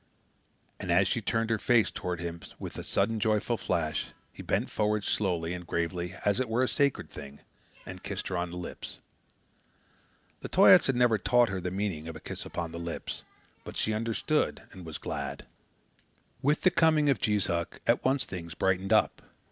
And as she turned her face toward his with a sudden joyful flash, he bent forward, slowly and gravely, as it were a sacred thing, and kissed her on the lips. The Toyaats had never taught her the meaning of a kiss upon the lips, but she understood and was glad. With the coming of Jees Uck, at once things brightened up.